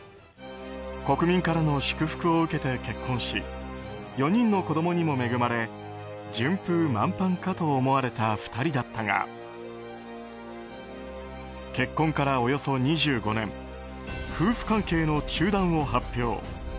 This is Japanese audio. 国民からの祝福を受けて結婚し４人の子供にも恵まれ順風満帆かと思われた２人だったが結婚からおよそ２５年夫婦関係の中断を発表。